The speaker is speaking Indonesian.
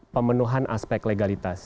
pemenuhan aspek legalitas